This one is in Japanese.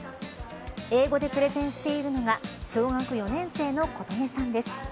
英語でプレゼンしているのが小学４年生の琴音さんです。